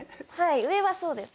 上はそうです。